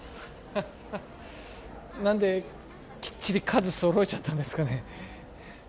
ハハ何できっちり数揃えちゃったんですかね